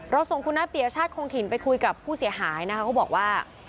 ส่งคุณน้าปียชาติคงถิ่นไปคุยกับผู้เสียหายนะคะเขาบอกว่า